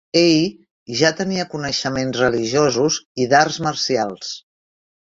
Ell ja tenia coneixements religiosos i d"arts marcials.